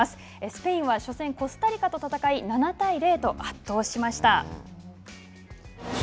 スペインは初戦、コスタリカと戦い７対０と圧倒しました。